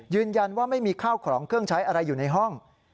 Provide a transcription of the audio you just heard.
ยืนยันว่าไม่มีข้าวของเครื่องใช้อะไรอยู่ในห้อง